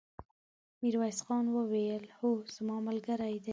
ميرويس خان وويل: هو، زما ملګری دی!